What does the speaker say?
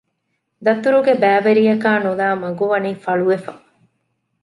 ދަތުރުގެ ބައިވެރިޔަކާ ނުލައި މަގު ވަނީ ފަޅުވެފަ